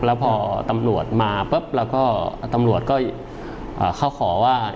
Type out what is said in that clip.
แล้วพอตำรวจมาปุ๊บแล้วก็ตำรวจก็เขาขอว่า